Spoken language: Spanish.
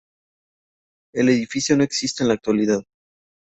El edificio no existe en la actualidad.